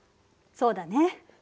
そうだね。